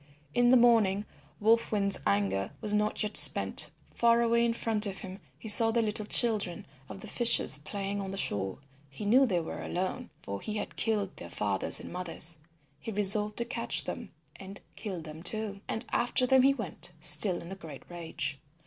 In the morning Wolf Wind's anger was not yet spent. Far away in front of him he saw the little children of the fishers playing on the shore. He knew they were alone, for he had killed their fathers and mothers. He resolved to catch them and kill them too, and after them he went, still in a great rage.